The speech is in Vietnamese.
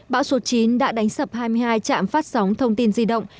bão số chín đã đánh sập hai mươi hai trạm phát sóng thông tin di động